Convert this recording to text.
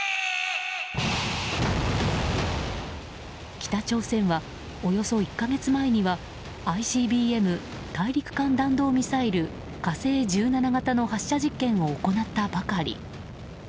北朝鮮はおよそ１か月前にはＩＣＢＭ・大陸間弾道ミサイル「火星１７型」の発射実験を行ったばかり。